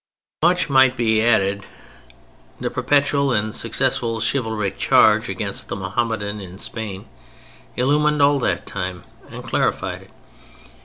Much might be added. The perpetual and successful chivalric charge against the Mohammedan in Spain illumined all that time and clarified it.